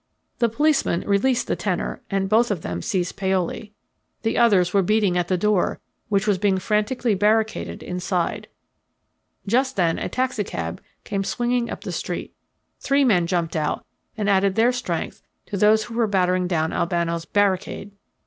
The policeman released the tenor, and both of them seized Paoli. The others were beating at the door, which was being frantically barricaded inside. Just then a taxicab came swinging up the street. Three men jumped out and added their strength to those who were battering down Albano's barricade.